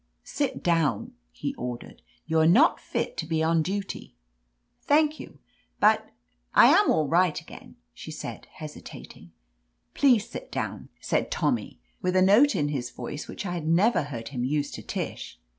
"Sit down," he ordered. "You are not fit to be on duty." "Thank you, but — ^I am all right again," she said, hesitating. "Please sit down," said Tommy, with a note in his voice which I never heard him use to Tish.